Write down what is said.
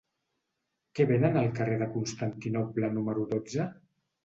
Què venen al carrer de Constantinoble número dotze?